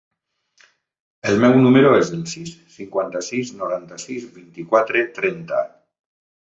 El meu número es el sis, cinquanta-sis, noranta-sis, vint-i-quatre, trenta.